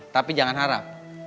tapi jangan harap